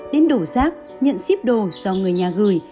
đến đổ rác nhận ship đồ do người nhà gửi